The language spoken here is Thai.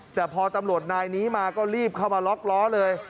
แต่พอตำรวจนายนี้มาก็รีบเข้ามาล็อกล้อเลย